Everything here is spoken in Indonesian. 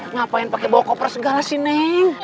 ngapain pakai bawa koper segala sih neng